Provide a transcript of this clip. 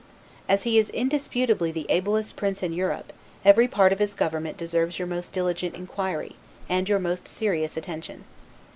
As he is indisputably the ablest prince in Europe, every part of his government deserves your most diligent inquiry, and your most serious attention.